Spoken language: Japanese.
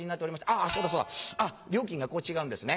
「あぁそうだそうだ料金がこう違うんですね。